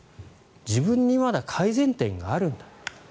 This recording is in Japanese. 自分にまだ改善点があるんだ。